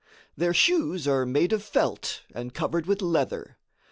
Their shoes are made of felt and covered with leather.